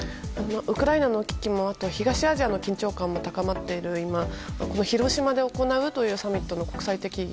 ウクライナの危機もあって東アジアの緊張感も高まっている今、この広島で行うというサミット国際意義